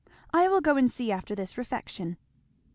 I will go and see after this refection."